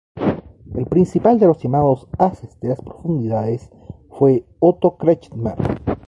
El principal de los llamados Ases de las Profundidades fue Otto Kretschmer.